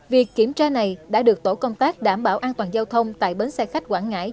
việc kiểm tra này đã được tổ công tác đảm bảo an toàn giao thông tại bến xe khách quảng ngãi